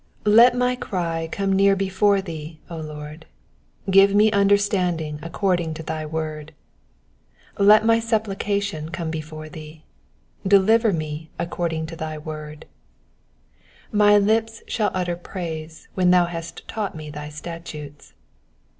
LET my cry come near before thee, O Lord : give me understanding according to thy word. 170 Let my supplication come before thee : deliver me according to thy word. 171 My lips shall utter praise, when thou hast taught me thy statutes.